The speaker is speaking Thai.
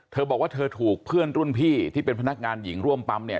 เธอบอกว่าเธอถูกเพื่อนรุ่นพี่ที่เป็นพนักงานหญิงร่วมปั๊มเนี่ย